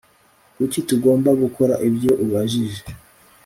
Kuki tugomba gukora ibyo ubajije